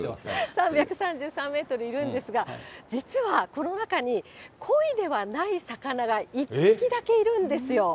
３３３メートルいるんですが、実は、この中に、こいではない魚が１匹だけいるんですよ。